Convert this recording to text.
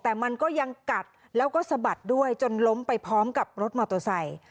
แต่มันก็ยังกัดแล้วก็สะบัดด้วยจนล้มไปพร้อมกับรถมอเตอร์ไซค์